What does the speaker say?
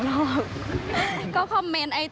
เจอกันผ่านในรูปค่ะ